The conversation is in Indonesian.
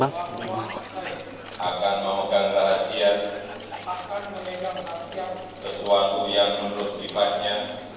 akan setia dan menanggung sesuatu yang menurut sifatnya